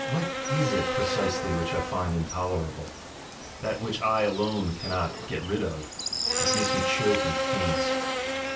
What is it precisely which I find intolerable? That which I alone cannot get rid of, which makes me choke and faint?